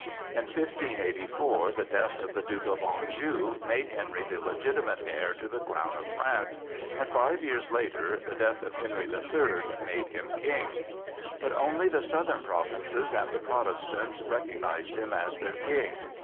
In 1584 the death of the Duke of Anjou made Henry the legitimate heir to the crown of France, and five years later, the death of Henry the Third made him King. But only the southern provinces and the Protestants recognized him as their king.